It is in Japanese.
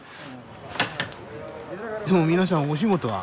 でも皆さんお仕事は？